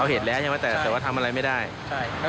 เห็นแล้วใช่ไหมแต่แต่ว่าทำอะไรไม่ได้ใช่